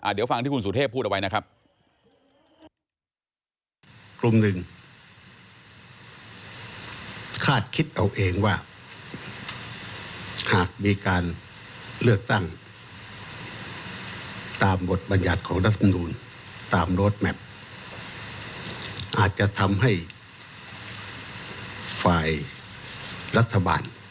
เดี๋ยวฟังที่คุณสุเทพพูดเอาไว้นะครับ